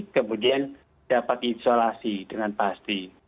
kemudian dapat diisolasi dengan pasti